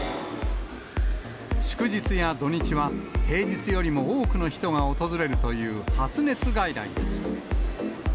祝日や土日は、平日よりも多くの人が訪れるという発熱外来です。